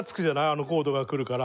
あのコードがくるから。